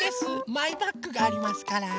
マイバッグがありますから。